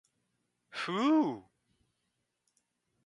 ふう。